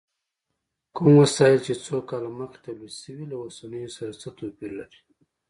کوم وسایل چې څو کاله مخکې تولید شوي، له اوسنیو سره څه توپیر لري؟